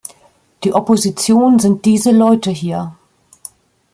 Die Opposition sind diese Leute hier!